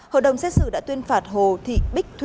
hội đồng xét xử đã tuyên phạt hồ thị bích thủy